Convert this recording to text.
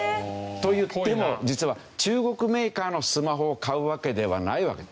といっても実は中国メーカーのスマホを買うわけではないわけで。